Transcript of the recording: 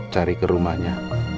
cari ke rumahnya